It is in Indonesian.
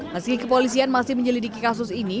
meski kepolisian masih menyelidiki kasus ini